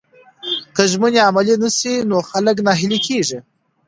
که ژمنې عملي نسي نو خلک ناهیلي کیږي.